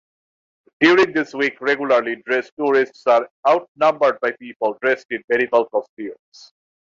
During this week regularly dressed tourists are outnumbered by people dressed in Medieval costumes.